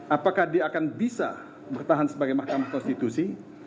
apakah dia akan bisa bertahan sebagai mahkamah konstitusi